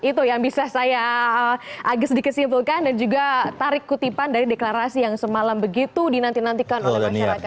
itu yang bisa saya agak sedikit simpulkan dan juga tarik kutipan dari deklarasi yang semalam begitu dinantikan oleh masyarakat